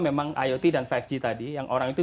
memang iot dan lima g tadi yang orang itu